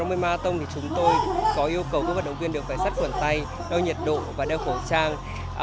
giải giải romaine marathon thì chúng tôi có yêu cầu các vận động viên đều phải sắt khuẩn tay đeo nhiệt độ và đeo khẩu trang